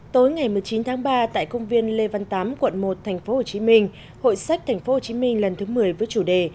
tối ngày một mươi chín tháng ba tại công viên lê văn tám quận một tp hcm hội sách tp hcm lần thứ một mươi với chủ đề